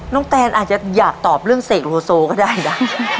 แตนอาจจะอยากตอบเรื่องเสกโลโซก็ได้นะ